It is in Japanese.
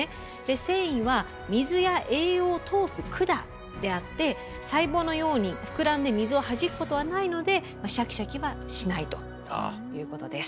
繊維は水や栄養を通す管であって細胞のように膨らんで水をはじくことはないのでシャキシャキはしないということです。